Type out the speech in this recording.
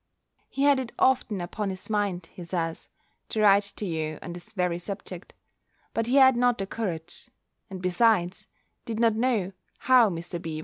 He had it often upon his mind, he says, to write to you on this very subject; but he had not the courage; and besides, did not know how Mr. B.